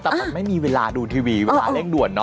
แต่มันไม่มีเวลาดูทีวีเวลาเร่งด่วนเนอ